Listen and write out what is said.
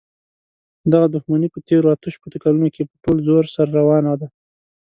دغه دښمني په تېرو اته شپېتو کالونو کې په ټول زور سره روانه ده.